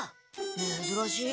めずらしい。